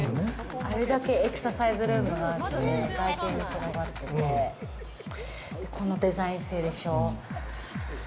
あれだけエクササイズルームがあって、外見にこだわっててこのデザイン性でしょ？